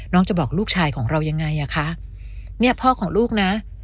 จะบอกลูกชายของเรายังไงอ่ะคะเนี่ยพ่อของลูกนะ